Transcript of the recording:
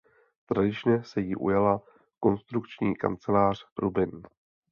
Tradičně se jí ujala konstrukční kancelář Rubin.